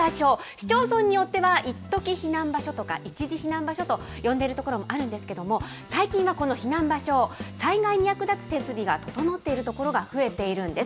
市町村によってはいっとき避難場所とかいちじ避難場所と呼んでいる所もあるんですけど、最近はこの避難場所、災害に役立つ設備が整っている所が増えているんです。